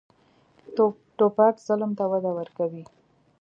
توپک ظلم ته وده ورکوي.